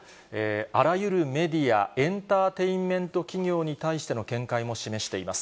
あらゆるメディア、エンターテインメント企業に対しての見解も示しています。